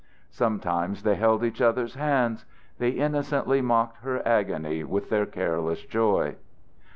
Sometimes they held each other's hands; they innocently mocked her agony with their careless joy.